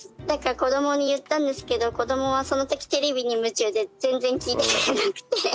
だから子どもに言ったんですけど子どもはその時テレビに夢中で全然聞いてくれなくて。